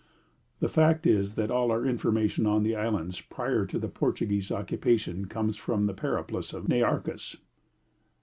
The fact is that all our information on the islands prior to the Portuguese occupation comes from the Periplus of Nearchus.